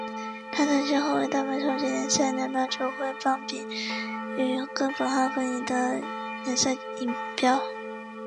他曾先后为丹麦超级联赛两大球会邦比与哥本哈根赢得联赛锦标。